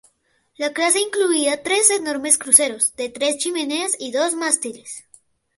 La clase incluía tres enormes cruceros, de tres chimeneas y dos mástiles.